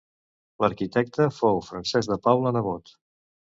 L'arquitecte fou Francesc de Paula Nebot.